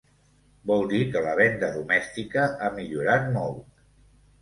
Vol dir que la venda domèstica ha millorat molt.